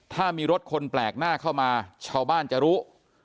ถ้ามีรถคนแปลกหน้าเข้ามาชาวบ้านจะรู้